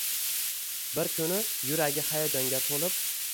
Bir kuni yuragi hayajonga toʻlib